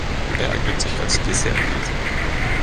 Er eignet sich als Dessert-Käse.